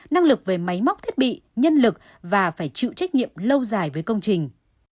năng lực về máy móc thiết bị nhân lực và phải chịu trách nhiệm lâu dài với công trình